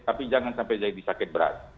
tapi jangan sampai jadi sakit berat